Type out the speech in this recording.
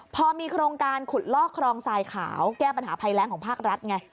พอมีโครงการขุดลอกครองทรายขาวแก้ปัญหาภัยแรงของภาครัฐไง